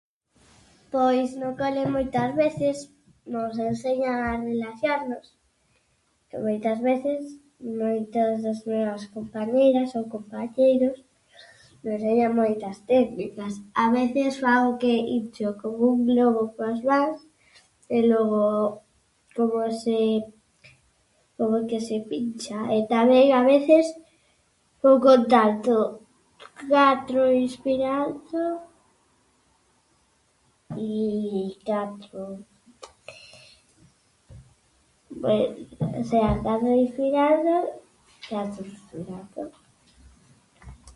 Pois no cole moitas veces nos enseñan a relaxarnos, moitas veces moitos do meus compañeiras ou compañeiros me enseñan moitas técnicas, a veces fago que hincho como un globo coas mans e logo como se, como que se pincha e tamén a veces vou contando catro expirando i catro, o sea, catro inspirando, catro espirando.